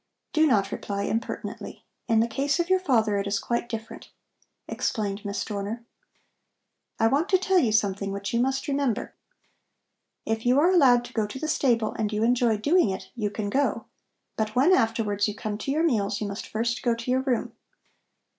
"Do not reply impertinently. In the case of your father it is quite different," explained Miss Dorner. "I want to tell you something which you must remember. If you are allowed to go to the stable and you enjoy doing it, you can go. But when afterwards you come to your meals, you must first go to your room.